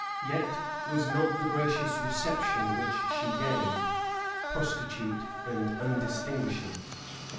[] Yet was not the gracious reception which she gave, prostitute and undistinguishing.